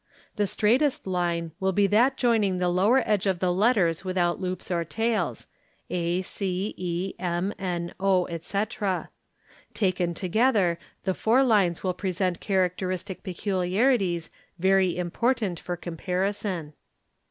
The straight t line will be that joining the lower edge of the letters without loops 'or tails, (ace mno ete.); taken together the four lines will present 'characteristic peculiarities very important for comparison.